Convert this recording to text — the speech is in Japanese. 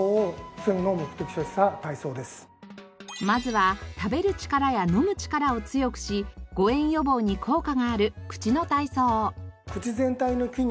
まずは食べる力や飲む力を強くし誤嚥予防に効果がある口の体操。